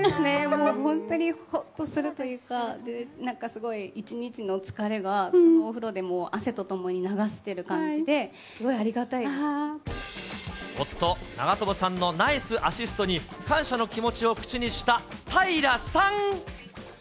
もう本当にほっとするというか、なんかすごい、一日の疲れがもうお風呂で、もう汗と共に流せてる夫、長友さんのナイスアシストに、感謝の気持ちを口にした平さん。